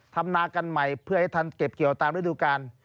นากันใหม่เพื่อให้ท่านเก็บเกี่ยวตามฤดูกาล